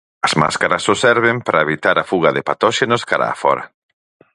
As máscaras só serven para evitar a fuga de patóxenos cara a fóra.